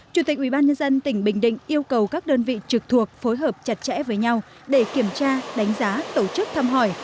chủ tịch ubnd tỉnh bình định yêu cầu các đơn vị trực thuộc phối hợp chặt chẽ với nhau để kiểm tra đánh giá tổ chức thăm hỏi